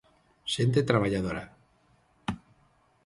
Xente traballadora.